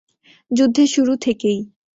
যুদ্ধের শুরু থেকেই।